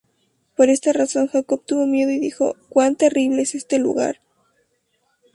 Por esta razón Jacob tuvo miedo, y dijo: ""¡Cuán terrible es este lugar!